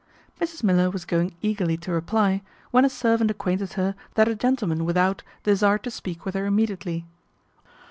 Mrs Miller was going eagerly to reply, when a servant acquainted her that a gentleman without desired to speak with her immediately.